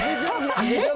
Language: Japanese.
えっ？